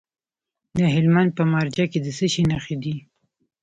د هلمند په مارجه کې د څه شي نښې دي؟